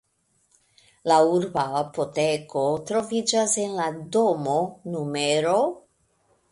La urba apoteko troviĝas en la domo nr.